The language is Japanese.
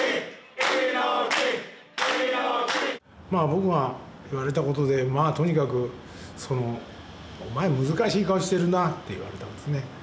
ぼくが言われたことでまあとにかく「お前難しい顔してるな」って言われたんですね。